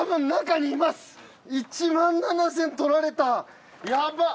１万７，０００取られたヤバっ！